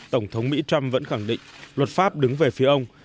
tổng thống mỹ trump vẫn khẳng định luật pháp đứng về phía ông